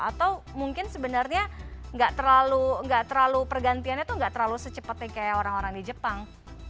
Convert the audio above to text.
atau mungkin sebenarnya nggak terlalu nggak terlalu pergantiannya tuh nggak terlalu secepet nih kayak orang orang di jepang